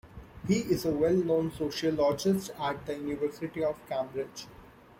He is a well-known sociologist at the University of Cambridge.